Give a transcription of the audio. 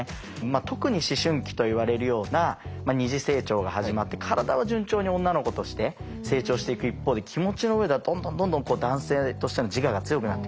特に思春期といわれるような二次性徴が始まって体は順調に女の子として成長していく一方で気持ちの上ではどんどんどんどん男性としての自我が強くなっていくと。